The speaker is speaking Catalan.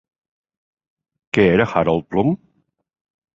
Què era Harold Bloom?